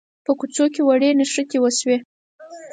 کوڅو کې وړې نښتې وشوې.